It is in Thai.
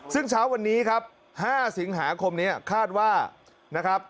ซึ่งเช้าวันนี้ครับ๕สิงหาคมนี้คาดว่านะครับ